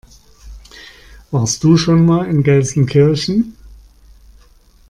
Warst du schon mal in Gelsenkirchen?